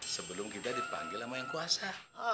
sebelum kita dipanggil sama yang kuasa